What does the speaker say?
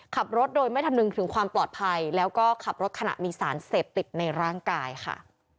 ขับรถโดยไม่คำนึงถึงความปลอดภัยแล้วก็ขับรถขณะมีสารเสพติดในร่างกายค่ะ